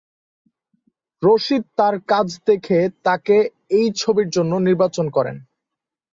রশীদ তার কাজ দেখে তাকে এই ছবির জন্য নির্বাচন করেন।